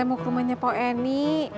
saya mau ke rumahnya pak eni